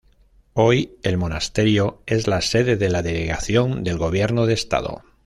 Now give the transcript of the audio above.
Hoy el monasterio es la sede de la delegación del Gobierno del Estado.